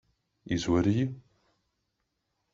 Yezwar-iyi?